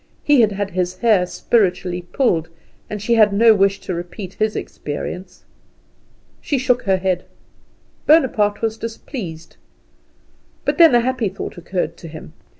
He had had his hair spiritually pulled, and she had no wish to repeat his experience. She shook her head. Bonaparte was displeased. But then a happy thought occurred to him.